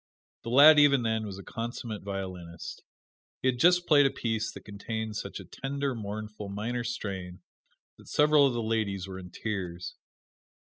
The lad even then was a consummate violinist. He had just played a piece that contained such a tender, mournful, minor strain that several of the ladies were in tears.